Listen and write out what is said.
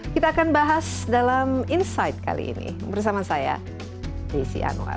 kita akan bahas dalam insight kali ini bersama saya desi anwar